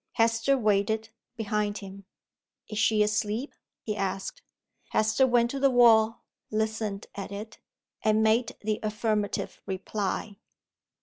Hester waited, behind him. "Is she asleep?" he asked. Hester went to the wall; listened at it; and made the affirmative reply.